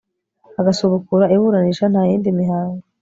agasubukura iburanisha Nta yindi mihango